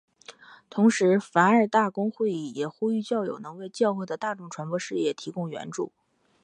同时梵二大公会议也呼吁教友能为教会的大众传播事业提供援助。